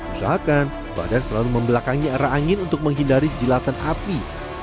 usahakan badan selalu membelakangi arah angin untuk menghindari jelatan api